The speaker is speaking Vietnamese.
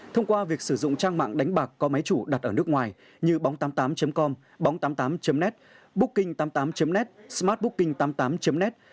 thông qua việc sử dụng trang mạng đánh bạc có máy chủ đặt ở nước ngoài như bóng tám mươi tám com bóng tám mươi tám net booking tám mươi tám net smart booking tám mươi tám net